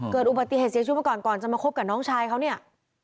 เกิดอุบัติเหตุเสียชีวิตมาก่อนก่อนจะมาคบกับน้องชายเขาเนี่ย